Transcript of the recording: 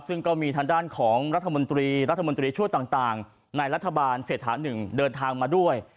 ซึ่งก็มีทางด้านของรัฐมนตรีรัฐมนตรีช่วยต่างในรัฐบาลเศรษฐาหนึ่งเดินทางมาด้วย